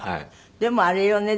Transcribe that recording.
でもあれよね。